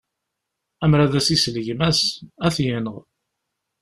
Amer ad as-isel gma-s, ad t-yenɣ.